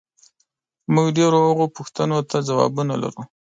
موږ ډېرو هغو پوښتنو ته ځوابونه لرو،